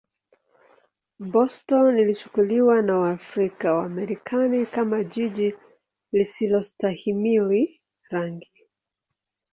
Boston ilichukuliwa na Waafrika-Wamarekani kama jiji lisilostahimili rangi.